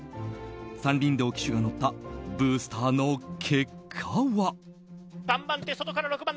山林堂騎手が乗ったブースターの結果は。